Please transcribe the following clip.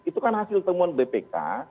itu kan hasil temuan bpk